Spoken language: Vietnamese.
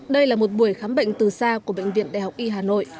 đây là một buổi khám bệnh từ xa của bệnh viện đại học y hà nội